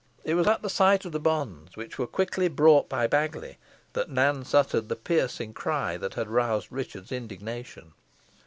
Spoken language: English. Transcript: It was at the sight of the bonds, which were quickly brought by Baggiley, that Nance uttered the piercing cry that had roused Richard's indignation.